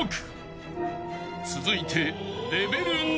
［続いて］